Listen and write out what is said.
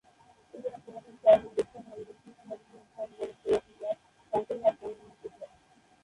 এখানে পুরাতন cycle, rickshaw ও ভ্যান বিক্রির জন্য বিশেষ স্থান বরাদ্দ আছে যা "সাইকেল হাট" নামে পরিচিত।